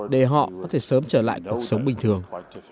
để họ có thể sớm trở lại cuộc sống bình thường